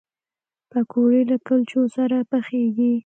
پکورې له کلچو سره پخېږي